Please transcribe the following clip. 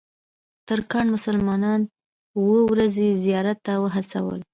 ترکانو مسلمانان اوو ورځني زیارت ته وهڅول.